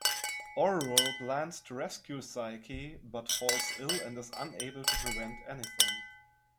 Orual plans to rescue Psyche but falls ill and is unable to prevent anything.